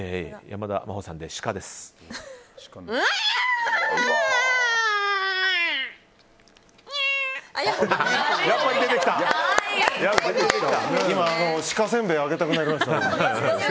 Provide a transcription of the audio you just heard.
今、シカせんべいあげたくなりました。